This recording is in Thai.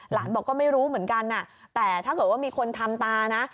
หลานบอกก็ไม่รู้เหมือนกันแต่ถ้าเกิดว่ามีคนทำตานะ